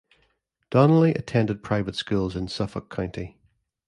Donnelly attended private schools in Suffolk County.